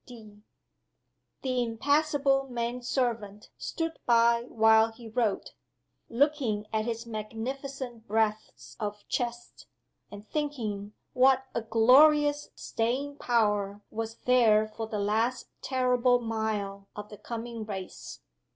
G. D." The impassible man servant stood by while he wrote, looking at his magnificent breadth of chest, and thinking what a glorious "staying power" was there for the last terrible mile of the coming race.